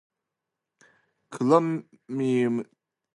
Chromium trioxide is highly toxic, corrosive, and carcinogenic.